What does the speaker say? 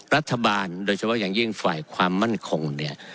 รัฐบาลโดยเฉพาะอย่างยิ่งฝ่ายความมั่นคงเนี่ย